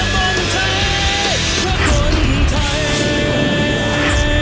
ท่านผู้ชมหน้า